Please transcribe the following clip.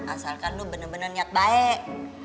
asalkan lo bener bener niat baik